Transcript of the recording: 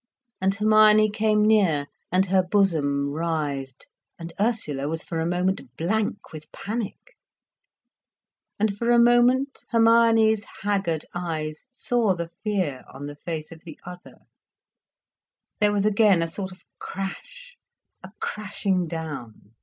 And Hermione came near, and her bosom writhed, and Ursula was for a moment blank with panic. And for a moment Hermione's haggard eyes saw the fear on the face of the other, there was again a sort of crash, a crashing down.